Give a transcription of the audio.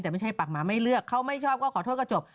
แต่ไม่ใช่ปากหมาไม่เลือกเขาไม่ชอบก็ขอโทษก็จบ